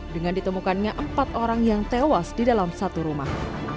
dengan ditemukannya empat orang yang tewas di dalam satu rumah